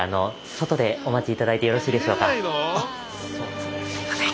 ではすいません。